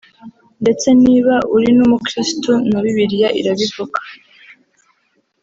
ndetse niba uri n’Umukirisitu na Bibiliya irabivuga